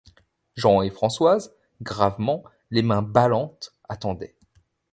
Jean et Françoise, gravement, les mains ballantes, attendaient.